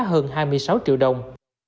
hơn hai mươi sáu triệu đồng